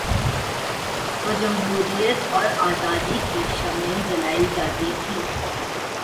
تو جمہوریت اور آزادی کی شمعیں جلائی جاتی تھیں۔